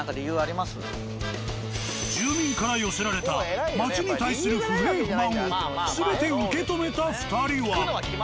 住民から寄せられた町に対する不平不満を全て受け止めた２人は。